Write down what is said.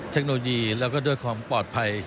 เทคโนโลยีแล้วก็ด้วยความปลอดภัย